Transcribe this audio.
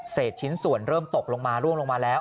ชิ้นส่วนเริ่มตกลงมาร่วงลงมาแล้ว